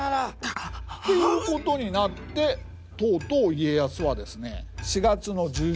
っていうことになってとうとう家康はですね４月の１７日。